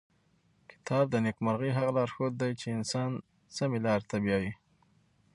کتاب د نېکمرغۍ هغه لارښود دی چې انسان سمې لارې ته بیايي.